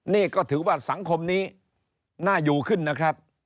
นี่ก็ถือว่าสังคมนี้น่าอยู่ขึ้นนะครับ